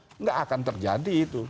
tidak akan terjadi itu